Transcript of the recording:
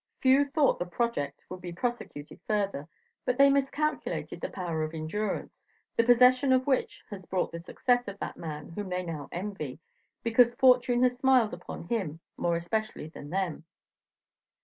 Few thought the project would be prosecuted further, but they miscalculated the power of endurance, the possession of which has brought the success of that man whom they now envy, "because fortune has smiled upon him more especially than them."